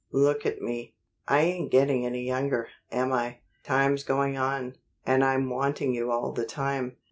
Look at me. I ain't getting any younger, am I? Time's going on, and I'm wanting you all the time.